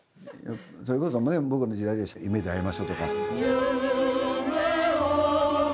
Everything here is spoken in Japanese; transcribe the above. それこそ僕の時代でしたら「夢であいましょう」とか。